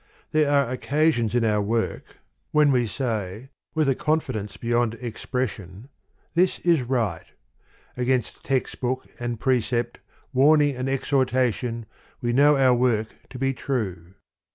There are occasions in our work, when we THE POEMS OF MR. BRIDGES. say, with a confidence beyond expression, This is right: against text book and pre cept, warning and exhortation, we know our work to be true.